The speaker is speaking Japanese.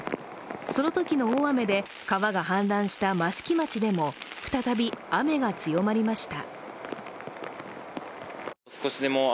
そのときの大雨で川が氾濫した益城町でも再び雨が強まりました。